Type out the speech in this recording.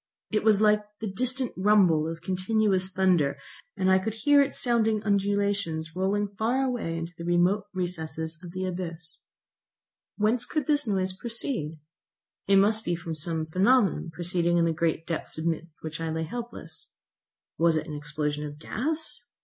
It was like the distant rumble of continuous thunder, and I could hear its sounding undulations rolling far away into the remote recesses of the abyss. Whence could this noise proceed? It must be from some phenomenon proceeding in the great depths amidst which I lay helpless. Was it an explosion of gas?